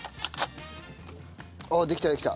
あっできたできた。